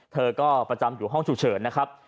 เธอก็ประจำอยู่ห้องฉุกเฉินนะครับ